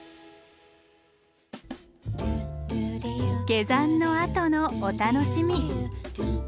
下山のあとのお楽しみ。